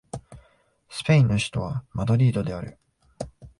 スペインの首都はマドリードである